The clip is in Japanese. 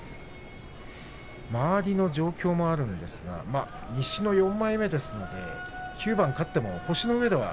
周りの状況もあるんですが西の４枚目ですので９番勝っても星のうえでは